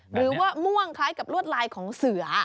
หรือว่าม่วงคล้ายกับลวดลายของเสือ